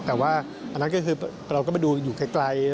แต่ว่าเราก็ไปดูอยู่ใกล้